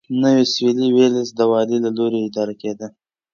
نوی سوېلي ویلز د والي له لوري اداره کېده.